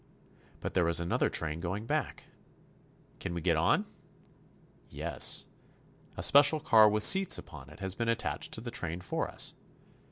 But there is another train going back. Can we get on ? Yes ; a special car with seats upon it has been attached to the train for us.